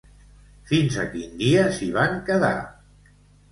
Fins a quin dia s'hi van quedar?